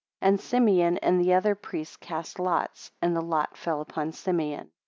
27 And Simeon and the other priests cast lots, and the lot fell upon Simeon.